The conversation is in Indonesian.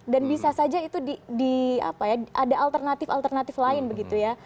dan bisa saja itu ada alternatif alternatif lain begitu ya